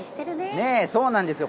ねぇそうなんですよ。